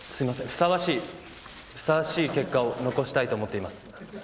ふさわしいふさわしい結果を残したいと思っています